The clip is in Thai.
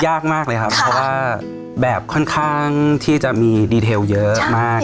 ยากมากเลยครับเพราะว่าแบบค่อนข้างที่จะมีดีเทลเยอะมาก